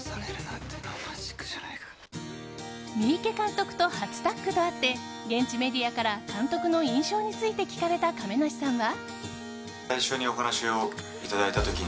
三池監督と初タッグとあって現地メディアから監督の印象について聞かれた亀梨さんは。